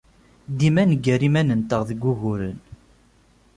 Dima neggar iman-nteɣ deg wuguren.